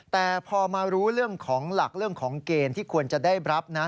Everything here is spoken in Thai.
แต่พอมารู้เรื่องของหลักเรื่องของเกณฑ์ที่ควรจะได้รับนะ